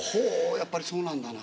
やっぱりそうなんだな。